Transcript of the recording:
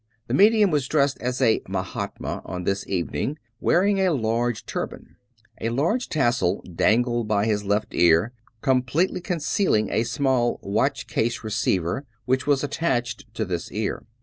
The medium was dressed as a " Mahatma " on this evening, wearing a large turban. A large tassel dangled by his left ear, completely concealing a small " watch case receiver " which was at tached to this ear.